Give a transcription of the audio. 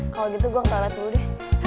kalo gitu gue ke toilet dulu deh